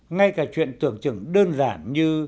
ngay cả chuyện tưởng chừng đơn giản như